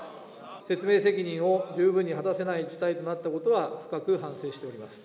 説明責任を十分に果たせない事態となったことは、深く反省しております。